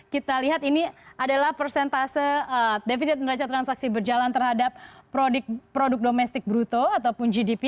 kita lihat ini adalah persentase defisit neraca transaksi berjalan terhadap produk domestik bruto ataupun gdp